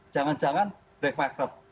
jangan jangan black market